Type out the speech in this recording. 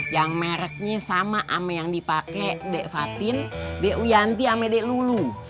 yang mereknya sama ama yang dipake dek fatin dek uyanti ame dek lulu